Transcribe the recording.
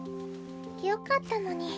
よかったのに。